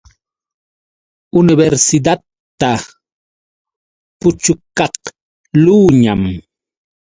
Universidadta puchukaqluuñam.